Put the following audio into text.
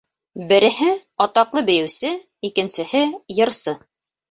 - Береһе - атаҡлы бейеүсе, икенсеһе - йырсы.